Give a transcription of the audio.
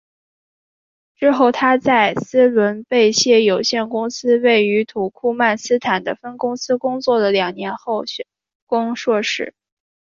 之后她在斯伦贝谢有限公司位于土库曼斯坦的分公司工作了两年后选攻硕士。